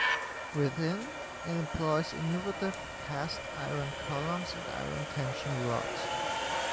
Within, it employs innovative cast iron columns and iron tension rods.